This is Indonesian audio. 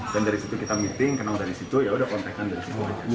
dan dari situ kita meeting kenal dari situ yaudah kontekan dari situ